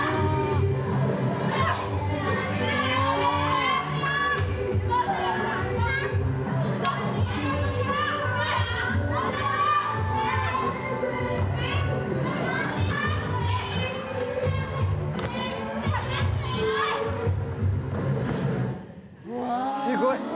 ・すごい！